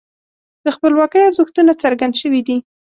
د خپلواکۍ ارزښتونه څرګند شوي دي.